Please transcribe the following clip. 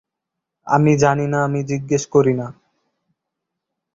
আমি জানি না, আমি জিজ্ঞেস করি নি।